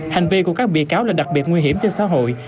hành vi của các bị cáo là đặc biệt nguy hiểm cho xã hội